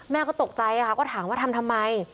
แม่ก็ตกใจค่ะก็ถามว่าทำทำไม